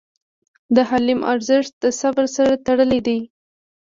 د حلم ارزښت د صبر سره تړلی دی.